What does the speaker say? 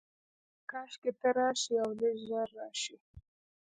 کاشکي ته راشې، اولږ ژر راشې